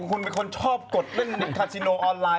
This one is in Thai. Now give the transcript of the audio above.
คุณเป็นคนชอบกดเล่นคาซิโนออนไลน